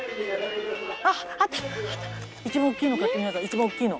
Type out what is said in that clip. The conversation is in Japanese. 一番大きいの買って美穂さん一番大きいの。